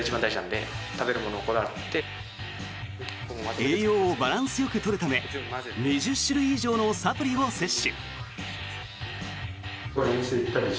栄養をバランスよく取るため２０種類以上のサプリを摂取。